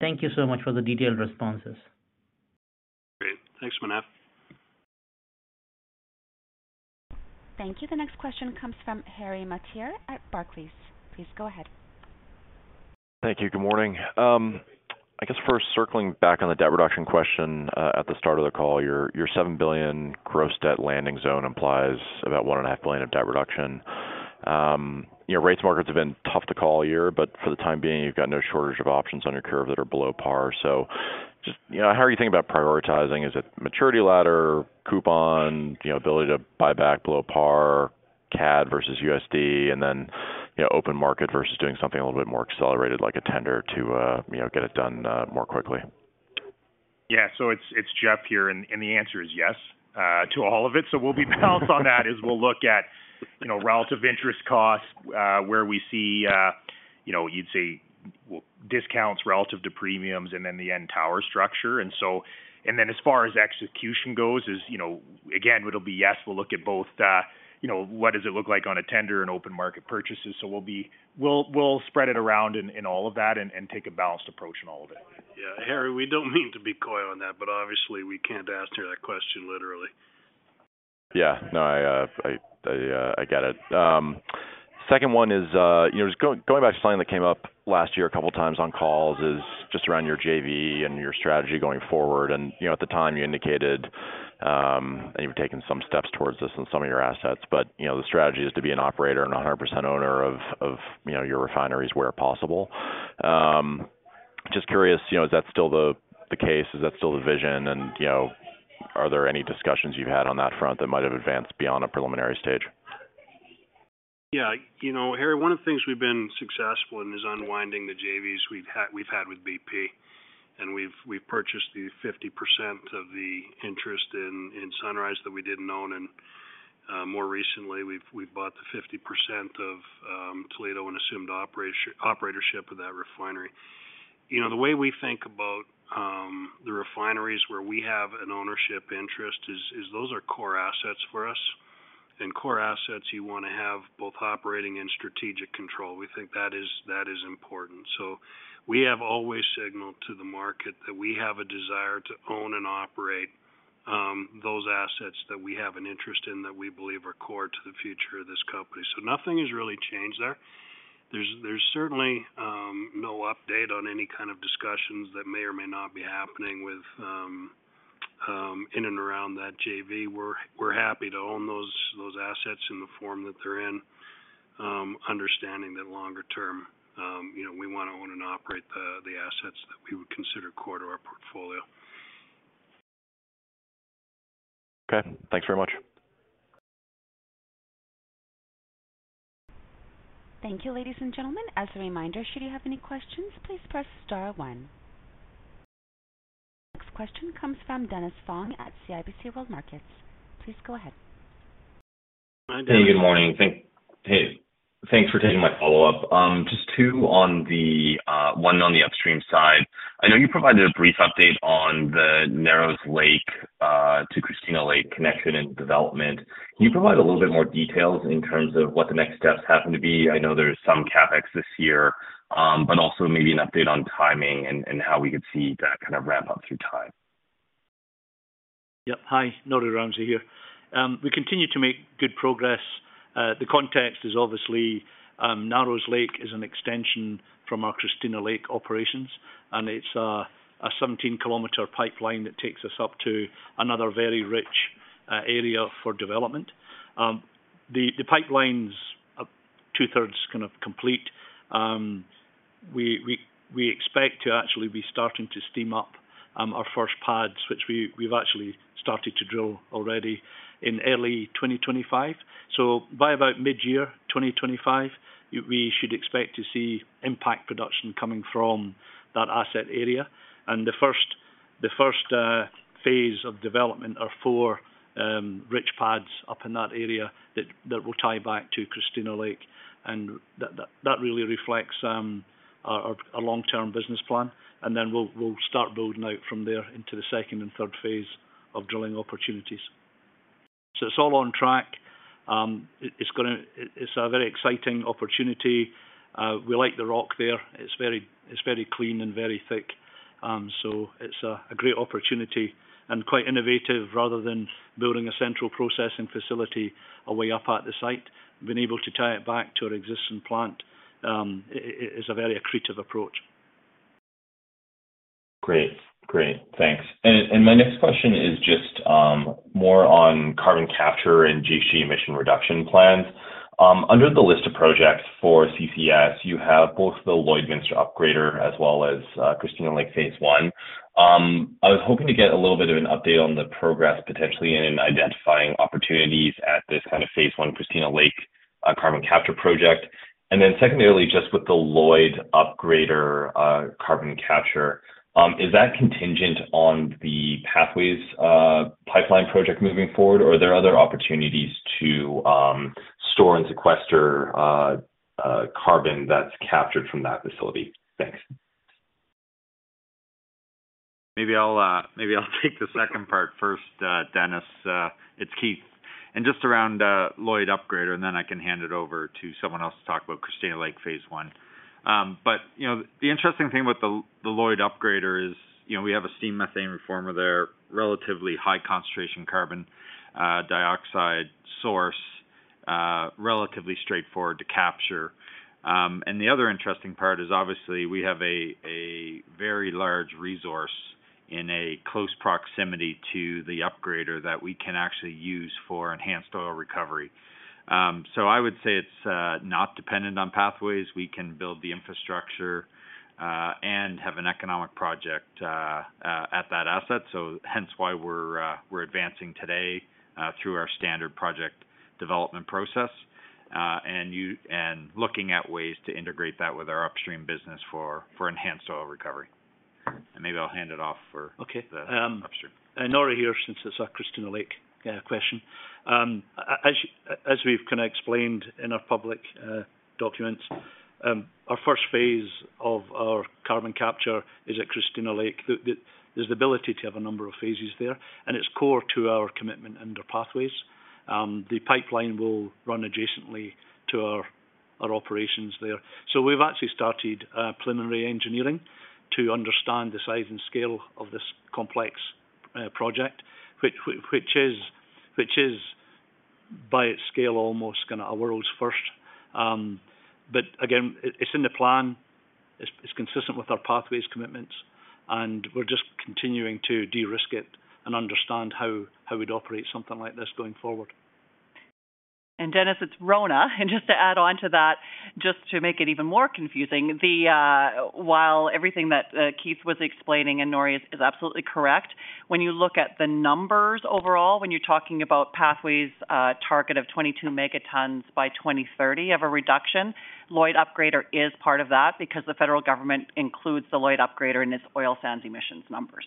Thank you so much for the detailed responses. Great. Thanks, Manav. Thank you. The next question comes from Harry Mateer at Barclays. Please go ahead. Thank you. Good morning. I guess first, circling back on the debt reduction question, at the start of the call, your, your $7 billion gross debt landing zone implies about $one and a half billion of debt reduction. You know, rates markets have been tough to call a year, but for the time being, you've got no shortage of options on your curve that are below par. Just, you know, how are you thinking about prioritizing? Is it maturity ladder, coupon, you know, ability to buy back below par, CAD versus USD, and then, you know, open market versus doing something a little bit more accelerated, like a tender to, you know, get it done, more quickly? Yeah. It's Jeff here, and the answer is yes to all of it. We'll be balanced on that as we'll look at, you know, relative interest costs, where we see, you know, you'd say, discounts relative to premiums and then the end tower structure. As far as execution goes, is, you know, again, it'll be yes, we'll look at both, you know, what does it look like on a tender and open market purchases. We'll spread it around in all of that and take a balanced approach in all of it. Yeah, Harry, we don't mean to be coy on that, but obviously we can't answer that question literally. Yeah. No, I, I, I get it. Second one is, you know, just going back to something that came up last year a couple of times on calls is just around your JV and your strategy going forward. You know, at the time, you indicated, and you've taken some steps towards this in some of your assets, but, you know, the strategy is to be an operator and a 100% owner of, you know, your refineries where possible. Just curious, you know, is that still the case? Is that still the vision? You know, are there any discussions you've had on that front that might have advanced beyond a preliminary stage? Yeah. You know, Harry, one of the things we've been successful in is unwinding the JVs we've had with BP, we've purchased the 50% of the interest in Sunrise that we didn't own, more recently, we've bought the 50% of Toledo and assumed operatorship of that refinery. You know, the way we think about the refineries where we have an ownership interest is those are core assets for us. Core assets, you want to have both operating and strategic control. We think that is important. We have always signaled to the market that we have a desire to own and operate those assets that we have an interest in, that we believe are core to the future of this company. Nothing has really changed there. There's certainly no update on any kind of discussions that may or may not be happening with in and around that JV. We're happy to own those assets in the form that they're in, understanding that longer term, you know, we want to own and operate the assets that we would consider core to our portfolio. Okay, thanks very much. Thank you, ladies and gentlemen. As a reminder, should you have any questions, please press Star One. Next question comes from Dennis Fong at CIBC World Markets. Please go ahead. Hey, good morning. Hey, thanks for taking my follow-up. Just two on the, one, on the upstream side. I know you provided a brief update on the Narrows Lake to Christina Lake connection and development. Can you provide a little bit more details in terms of what the next steps happen to be? I know there is some CapEx this year, but also maybe an update on timing and how we could see that kind of ramp up through time. Yep. Hi, Norrie Ramsey here. We continue to make good progress. The context is obviously, Narrows Lake is an extension from our Christina Lake operations, and it's a 17-kilometer pipeline that takes us up to another very rich area for development. The pipeline's 2/3 kind of complete. We expect to actually be starting to steam up our first pads, which we've actually started to drill already in early 2025. So by about mid-year 2025, we should expect to see impact production coming from that asset area. And the first phase of development are four rich pads up in that area that will tie back to Christina Lake, and that really reflects our long-term business plan. We'll start building out from there into the second and third phase of drilling opportunities. It's all on track. It's a very exciting opportunity. We like the rock there. It's very clean and very thick. It's a great opportunity and quite innovative, rather than building a central processing facility away up at the site, being able to tie it back to our existing plant, is a very accretive approach. Great. Great, thanks. My next question is just more on carbon capture and GHG emission reduction plans. Under the list of projects for CCS, you have both the Lloydminster Upgrader as well as Christina Lake Phase One. I was hoping to get a little bit of an update on the progress, potentially, in identifying opportunities at this kind of Phase One Christina Lake carbon capture project. Secondarily, just with the Lloyd Upgrader carbon capture, is that contingent on the Pathways pipeline project moving forward, or are there other opportunities to store and sequester carbon that's captured from that facility? Thanks. Maybe I'll, maybe I'll take the second part first, Dennis. It's Keith. Just around Lloyd Upgrader, and then I can hand it over to someone else to talk about Christina Lake Phase One. You know, the interesting thing with the, the Lloyd Upgrader is, you know, we have a steam methane reformer there, relatively high concentration carbon dioxide source, relatively straightforward to capture. The other interesting part is, obviously, we have a very large resource in a close proximity to the upgrader that we can actually use for enhanced oil recovery. I would say it's not dependent on Pathways. We can build the infrastructure, and have an economic project at that asset. We're advancing today through our standard project development process and looking at ways to integrate that with our upstream business for enhanced oil recovery. I'll hand it off for. Okay. The upstream. Norrie here, since it's a Christina Lake question. As we've kind of explained in our public documents, our first phase of our carbon capture is at Christina Lake. There's the ability to have a number of phases there, and it's core to our commitment under Pathways. The pipeline will run adjacently to our operations there. We've actually started preliminary engineering to understand the size and scale of this complex project, which is, by its scale, almost kind of a world's first. Again, it's in the plan, it's consistent with our Pathways commitments, and we're just continuing to de-risk it and understand how we'd operate something like this going forward. Dennis, it's Rhona. Just to add on to that, just to make it even more confusing, the... While everything that Keith was explaining and Norrie is absolutely correct, when you look at the numbers overall, when you're talking about Pathways target of 22 megatons by 2030 of a reduction, Lloyd Upgrader is part of that because the federal government includes the Lloyd Upgrader in its oil sands emissions numbers.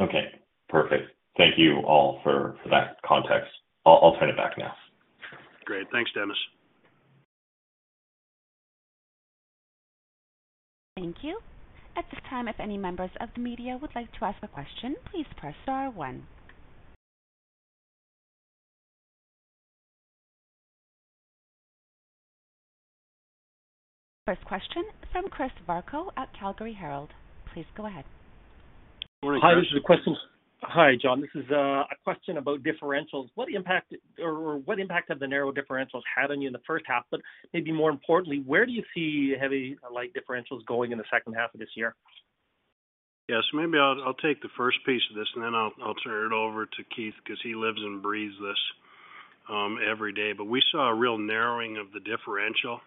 Okay, perfect. Thank you all for that context. I'll turn it back now. Great. Thanks, Dennis. Thank you. At this time, if any members of the media would like to ask a question, please press star one. First question from Chris Varcoe at Calgary Herald. Please go ahead. Good morning, Chris. Hi, Jon. This is a question about differentials. What impact, or what impact have the narrow differentials had on you in the first half? Maybe more importantly, where do you see heavy and light differentials going in the second half of this year? Yes, maybe I'll take the first piece of this, and then I'll turn it over to Keith, because he lives and breathes this every day. We saw a real narrowing of the differential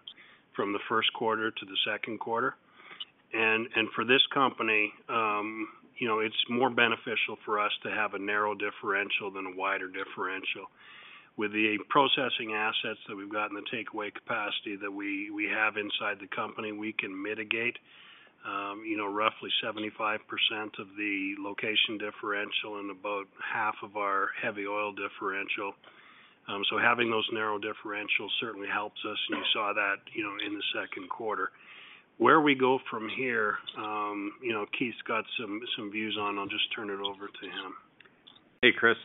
from the first quarter to the second quarter. For this company, you know, it's more beneficial for us to have a narrow differential than a wider differential. With the processing assets that we've got and the takeaway capacity that we have inside the company, we can mitigate, you know, roughly 75% of the location differential and about half of our heavy oil differential. Having those narrow differentials certainly helps us, and you saw that, you know, in the second quarter. Where we go from here, you know, Keith's got some views on. I'll just turn it over to him. Hey, Chris,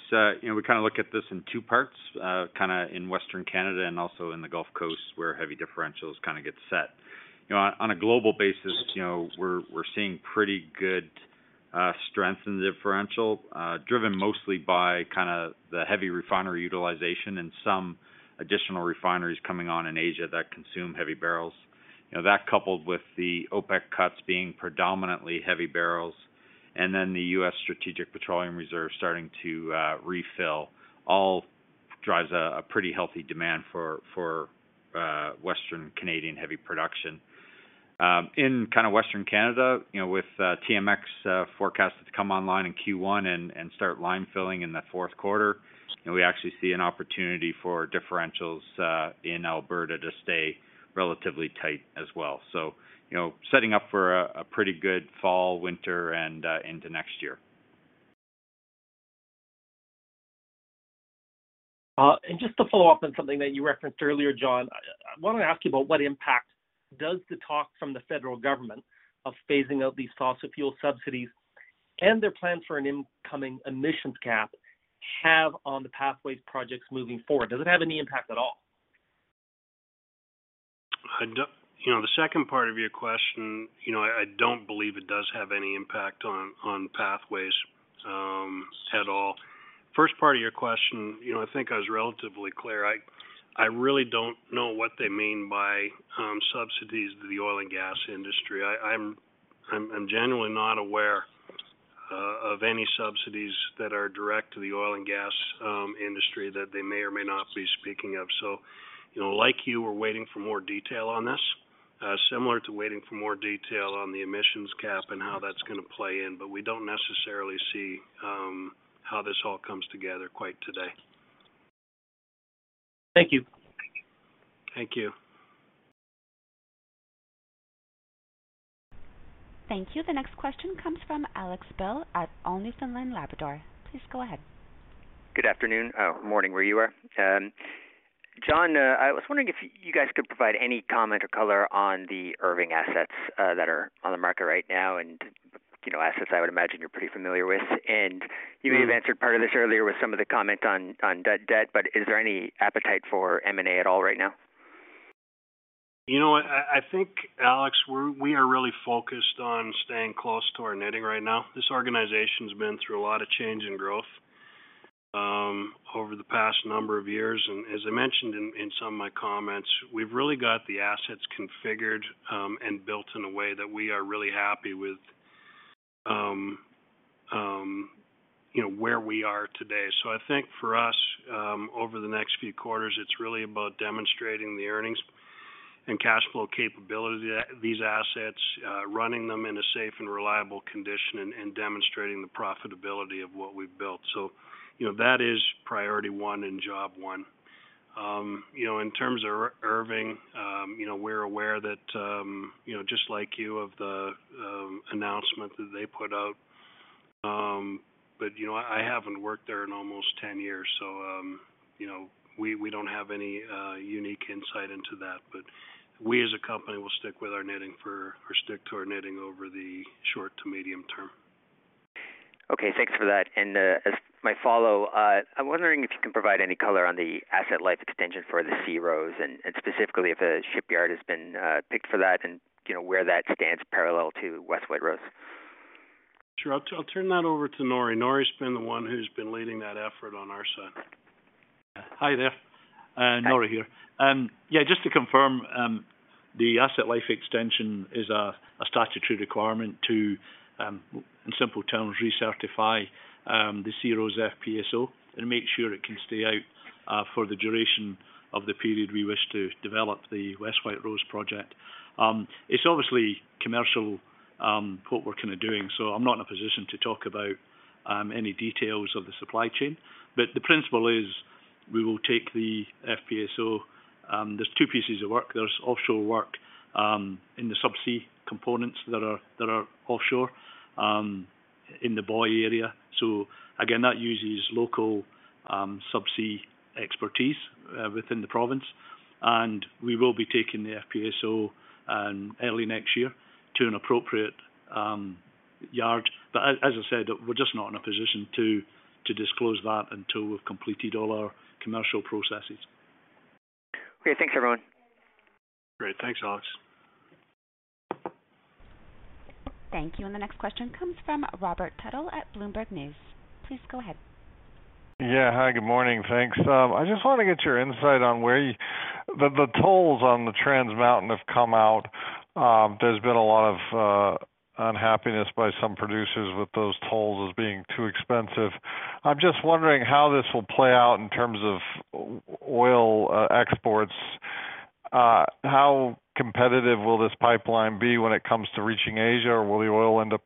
you know, we kind of look at this in two parts, kind of in Western Canada and also in the Gulf Coast, where heavy differentials kind of get set. You know, on a global basis, you know, we're seeing pretty good strength in the differential, driven mostly by kind of the heavy refinery utilization and some additional refineries coming on in Asia that consume heavy barrels. You know, that coupled with the OPEC cuts being predominantly heavy barrels and then the U.S. Strategic Petroleum Reserve starting to refill, all drives a pretty healthy demand for Western Canadian heavy production. In kind of Western Canada, you know, with TMX forecasted to come online in Q1 and start line filling in the fourth quarter, we actually see an opportunity for differentials in Alberta to stay relatively tight as well. You know, setting up for a pretty good fall, winter, and into next year. Just to follow up on something that you referenced earlier, Jon, I, I want to ask you about what impact does the talk from the federal government of phasing out these fossil fuel subsidies and their plans for an incoming emissions cap have on the Pathways projects moving forward? Does it have any impact at all? You know, the second part of your question, you know, I don't believe it does have any impact on Pathways at all. First part of your question, you know, I think I was relatively clear. I really don't know what they mean by subsidies to the oil and gas industry. I'm generally not aware of any subsidies that are direct to the oil and gas industry that they may or may not be speaking of. You know, like you, we're waiting for more detail on this, similar to waiting for more detail on the emissions cap and how that's going to play in, but we don't necessarily see how this all comes together quite today. Thank you. Thank you. Thank you. The next question comes from Alex Bill at AllNewfoundland Labrador. Please go ahead. Good afternoon, morning, where you are. Jon, I was wondering if you guys could provide any comment or color on the Irving Oil assets that are on the market right now, and, you know, assets I would imagine you're pretty familiar with. You may have answered part of this earlier with some of the comment on debt, but is there any appetite for M&A at all right now? You know what? I think, Alex, we are really focused on staying close to our knitting right now. This organization's been through a lot of change and growth over the past number of years, and as I mentioned in some of my comments, we've really got the assets configured and built in a way that we are really happy with, you know, where we are today. I think for us, over the next few quarters, it's really about demonstrating the earnings and cash flow capability, these assets, running them in a safe and reliable condition and demonstrating the profitability of what we've built. You know, that is priority one and job one. You know, in terms of Irving, you know, we're aware that, you know, just like you, of the announcement that they put out. You know, I haven't worked there in almost 10 years, so, you know, we, we don't have any unique insight into that. We, as a company, will stick to our knitting over the short to medium term. Okay, thanks for that. As my follow, I'm wondering if you can provide any color on the asset life extension for the SeaRose and specifically if a shipyard has been picked for that and, you know, where that stands parallel to West White Rose? Sure. I'll turn that over to Norrie. Norrie's been the one who's been leading that effort on our side. Hi there, Norrie here. Yeah, just to confirm, the asset life extension is a statutory requirement to, in simple terms, recertify the SeaRose FPSO and make sure it can stay out for the duration of the period we wish to develop the West White Rose project. It's obviously commercial what we're kind of doing, so I'm not in a position to talk about any details of the supply chain. The principle is we will take the FPSO. There's two pieces of work. There's offshore work in the sub-sea components that are offshore in the Bohai area. Again, that uses local sub-sea expertise within the province, and we will be taking the FPSO early next year to an appropriate yard. As I said, we're just not in a position to disclose that until we've completed all our commercial processes. Okay, thanks, everyone. Great. Thanks, Alex. Thank you. The next question comes from Robert Tuttle at Bloomberg News. Please go ahead. Hi, good morning, thanks. I just want to get your insight on where the, the tolls on the Trans Mountain have come out. There's been a lot of unhappiness by some producers with those tolls as being too expensive. I'm just wondering how this will play out in terms of oil exports. How competitive will this pipeline be when it comes to reaching Asia, or will the oil end up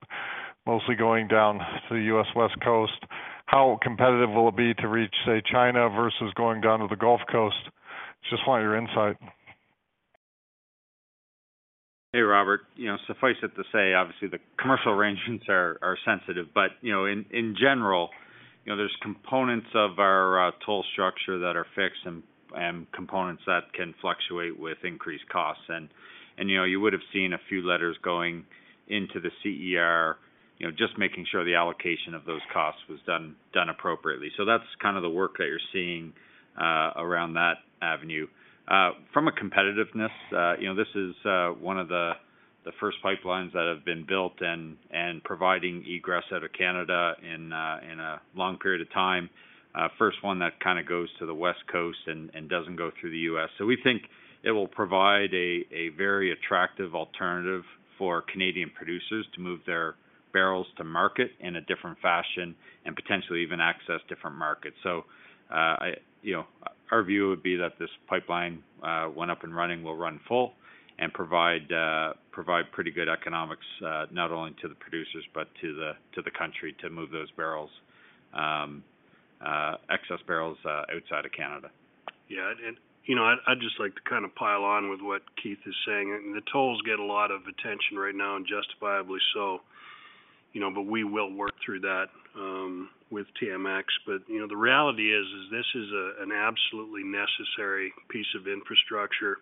mostly going down to the U.S. West Coast? How competitive will it be to reach, say, China versus going down to the Gulf Coast? Just want your insight. Hey, Robert. Suffice it to say, obviously, the commercial arrangements are sensitive, you know, in general, you know, there's components of our toll structure that are fixed and components that can fluctuate with increased costs. You would have seen a few letters going into the CER, you know, just making sure the allocation of those costs was done appropriately. That's kind of the work that you're seeing around that avenue. From a competitiveness, this is one of the first pipelines that have been built and providing egress out of Canada in a long period of time. First one that kind of goes to the West Coast and doesn't go through the U.S. We think it will provide a very attractive alternative for Canadian producers to move their barrels to market in a different fashion and potentially even access different markets. You know, our view would be that this pipeline, when up and running, will run full and provide pretty good economics, not only to the producers but to the country, to move those barrels, excess barrels, outside of Canada. You know, I'd just like to kind of pile on with what Keith is saying. The tolls get a lot of attention right now, justifiably so, you know, we will work through that with TMX. You know, the reality is this is an absolutely necessary piece of infrastructure,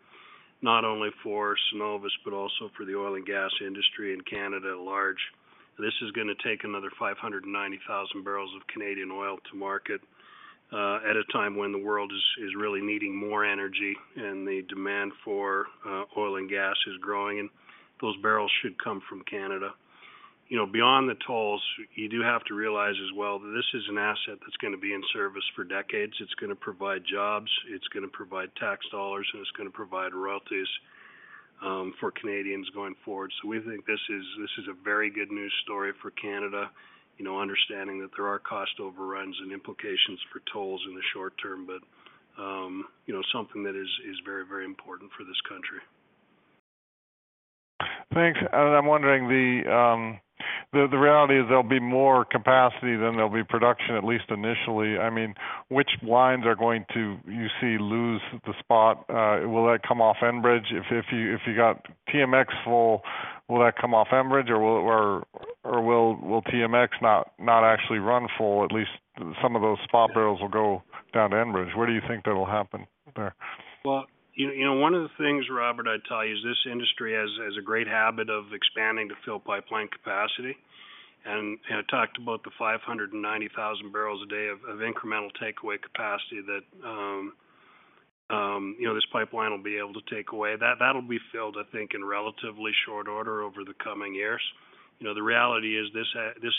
not only for Cenovus, but also for the oil and gas industry in Canada at large. This is gonna take another 590,000 barrels of Canadian oil to market at a time when the world is really needing more energy and the demand for oil and gas is growing, those barrels should come from Canada. You know, beyond the tolls, you do have to realize as well that this is an asset that's gonna be in service for decades. It's gonna provide jobs, it's gonna provide tax dollars, and it's gonna provide royalties for Canadians going forward. We think this is a very good news story for Canada, you know, understanding that there are cost overruns and implications for tolls in the short term, but, you know, something that is, is very, very important for this country. Thanks. I'm wondering, the reality is there'll be more capacity than there'll be production, at least initially. I mean, which lines are going to, you see, lose the spot? Will that come off Enbridge? If you got TMX full, will that come off Enbridge, or will TMX not actually run full, at least some of those spot barrels will go down to Enbridge. Where do you think that'll happen there? Well, you know, one of the things, Robert, I'd tell you is this industry has a great habit of expanding to fill pipeline capacity. I talked about the 590,000 barrels a day of incremental takeaway capacity that, you know, this pipeline will be able to take away. That'll be filled, I think, in relatively short order over the coming years. You know, the reality is this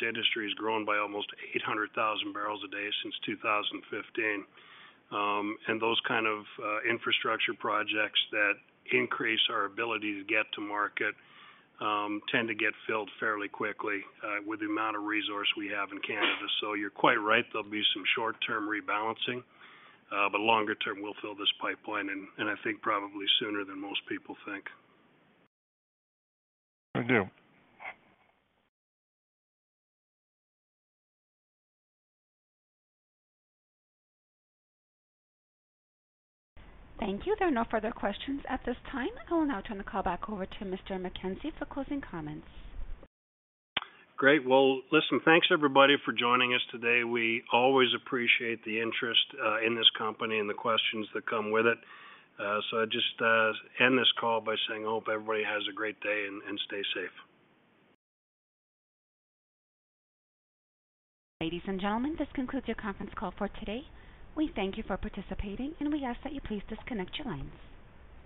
industry has grown by almost 800,000 barrels a day since 2015. Those kind of infrastructure projects that increase our ability to get to market, tend to get filled fairly quickly with the amount of resource we have in Canada. You're quite right, there'll be some short-term rebalancing, but longer term, we'll fill this pipeline, and I think probably sooner than most people think. I do. Thank you. There are no further questions at this time. I will now turn the call back over to Mr. McKenzie for closing comments. Great. Well, listen, thanks, everybody, for joining us today. We always appreciate the interest in this company and the questions that come with it. I just end this call by saying I hope everybody has a great day and stay safe. Ladies and gentlemen, this concludes your conference call for today. We thank you for participating, and we ask that you please disconnect your lines.